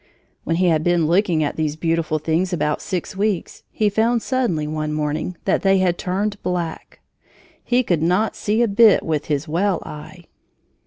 When he had been looking at these beautiful things about six weeks, he found suddenly, one morning, that they had turned black. He could not see a bit with his well eye!